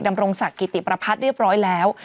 ดำรงศักดิ์กิติประพัฒน์เรียบร้อยแล้ว